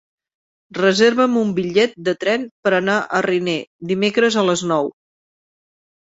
Reserva'm un bitllet de tren per anar a Riner dimecres a les nou.